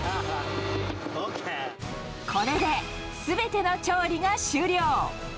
これですべての調理が終了。